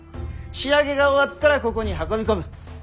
仕上げが終わったらここに運び込む。